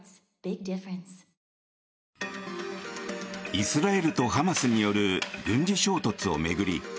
イスラエルとハマスによる軍事衝突を巡り